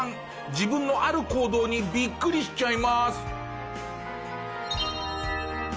自分のある行動にビックリしちゃいます。